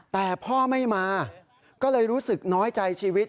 แต่พ่อไม่มาก็เลยรู้สึกน้อยใจชีวิต